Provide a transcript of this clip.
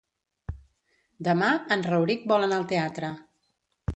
Demà en Rauric vol anar al teatre.